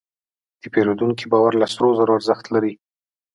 د پیرودونکي باور له سرو زرو ارزښت لري.